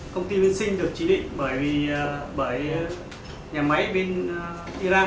công ty bên sinh được chỉ định bởi nhà máy bên iran